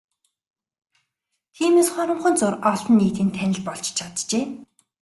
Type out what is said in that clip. Тиймээс хоромхон зуур олон нийтийн танил болж чаджээ.